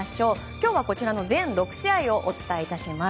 今日は全６試合をお伝えします。